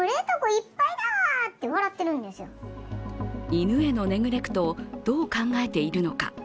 犬へのネグレクトをどう考えているのか。